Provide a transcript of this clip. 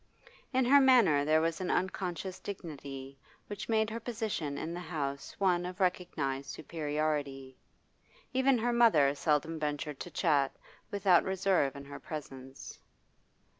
In her manner there was an unconscious dignity which made her position in the house one of recognised superiority; even her mother seldom ventured to chat without reserve in her presence.